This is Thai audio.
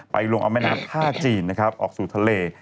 ไปลงอํ้ะแม่น้ำ๕จีนนะครับออกสู่ทะเล